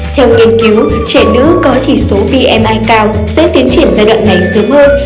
theo nghiên cứu trẻ nữ có chỉ số vni cao sẽ tiến triển giai đoạn này sớm hơn